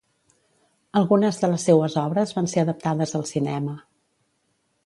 Algunes de les seues obres van ser adaptades al cinema.